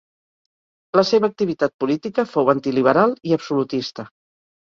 La seva activitat política fou antiliberal i absolutista.